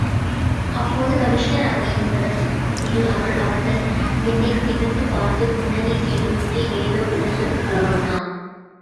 அப்போது கமிஷனராக இருந்தவர் திரு அருள் அவர்கள் என்னை நிமிர்ந்து பார்த்து, புன்னகை செய்துவிட்டு ஏதோ எழுதப்போனார்.